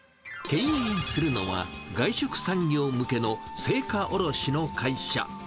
経営するのは、外食産業向けの青果卸の会社。